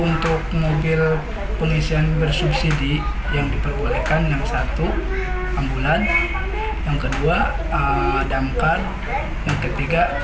untuk mobil pengisian bersubsidi yang diperbolehkan yang satu ambulan yang kedua damkar yang ketiga